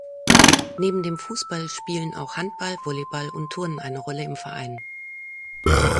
Neben dem Fußball spielen auch Handball, Volleyball und Turnen eine Rolle im Verein.